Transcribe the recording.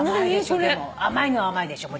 甘いのは甘いでしょう。